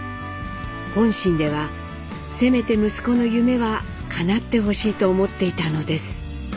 本心ではせめて息子の夢はかなってほしいと思っていたのです。